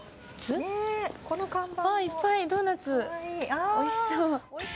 ああ、いっぱいドーナツ、おいしそう。